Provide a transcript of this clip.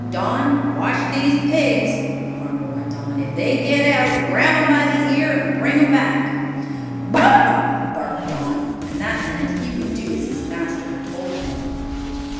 "Don, watch these pigs," the farmer went on. "If they get out, grab them by the ear, and bring them back." "Bow wow!" barked Don, and that meant he would do as his master had told him.